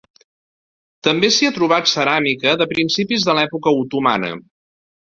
També s'hi ha trobat ceràmica de principis de l'època otomana.